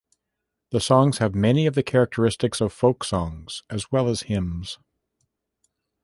The songs have many of the characteristics of folk songs as well as hymns.